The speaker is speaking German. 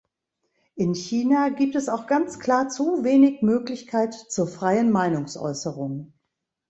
In China gibt es auch ganz klar zu wenig Möglichkeit zur freien Meinungsäußerung.